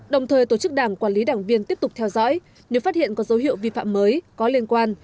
đồng thời tổ chức đảng quản lý đảng viên tiếp tục theo dõi nếu phát hiện có dấu hiệu vi phạm mới có liên quan